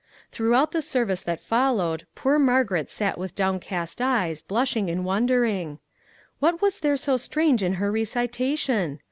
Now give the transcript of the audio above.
Throughout the service that followed, poor Margaret sat with downcast eyes, blushing and wondering. What was there so strange in her recitation?